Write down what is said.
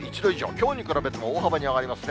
きょうに比べると大幅に上がりますね。